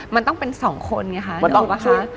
มันต้องเป็นสองคนไงคะเดี๋ยวรู้ปะคะ